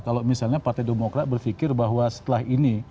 kalau misalnya partai demokrat berpikir bahwa setelah ini